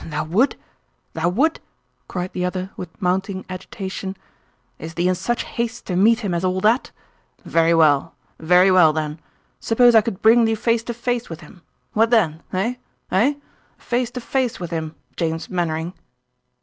"Thou would? Thou would?" cried the other, with mounting agitation. "Is thee in such haste to meet him as all that? Very well; very well, then. Suppose I could bring thee face to face with him what then? Hey? Hey? Face to face with him, James Mainwaring!"